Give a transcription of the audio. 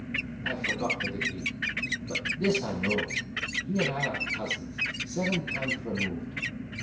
I have forgot the degree. But this I know, he and I are cousins seven times removed."